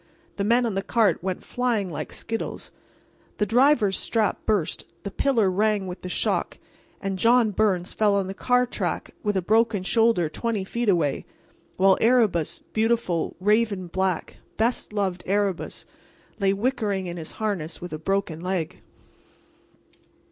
The men on the cart went flying like skittles. The driver's strap burst, the pillar rang with the shock, and John Byrnes fell on the car track with a broken shoulder twenty feet away, while Erebus—beautiful, raven black, best loved Erebus—lay whickering in his harness with a broken leg.